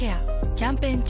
キャンペーン中。